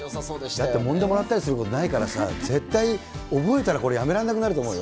だってもんでもらったりすることないからさ、絶対、覚えたらこれ、やめられなくなると思うよ。